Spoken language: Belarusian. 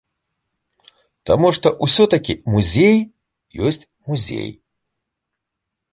Таму што ўсё-такі музей ёсць музей.